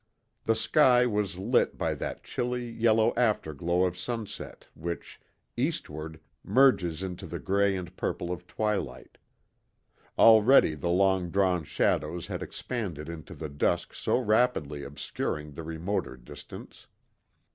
The sky was lit by that chilly, yellow afterglow of sunset which, eastward, merges into the gray and purple of twilight. Already the long drawn shadows had expanded into the dusk so rapidly obscuring the remoter distance.